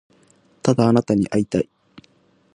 ただあなたに会いたい